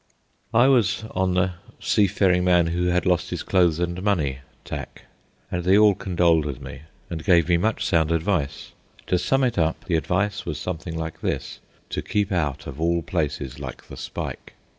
I was on the seafaring man who had lost his clothes and money tack, and they all condoled with me and gave me much sound advice. To sum it up, the advice was something like this: To keep out of all places like the spike.